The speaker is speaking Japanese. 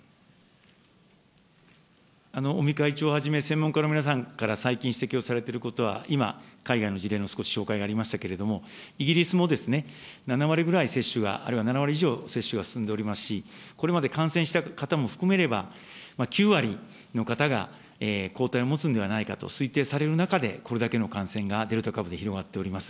尾身会長をはじめ、専門家の皆さんから最近指摘をされていることは、今、海外の事例の、少し紹介がありましたけれども、イギリスも７割ぐらい接種が、あるいは７割以上接種が進んでおりますし、これまで感染した方も含めれば、９割の方が抗体を持つんではないかと推定される中で、これだけの感染が、デルタ株で広がっております。